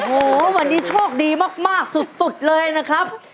โอ้โหวันนี้โชคดีมากสุดเลยนะครับ